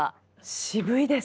渋いですね。